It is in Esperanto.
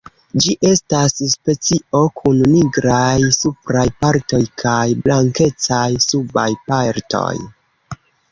Ĝi estas specio kun nigraj supraj partoj kaj blankecaj subaj partoj.